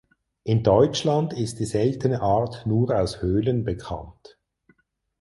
In Deutschland ist die seltene Art nur aus Höhlen bekannt.